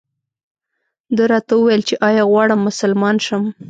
ده راته وویل چې ایا غواړم مسلمان شم.